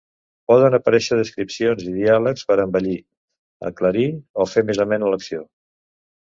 Poden aparèixer descripcions i diàlegs per a embellir, aclarir o fer més amena l'acció.